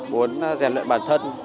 muốn giàn luyện bản thân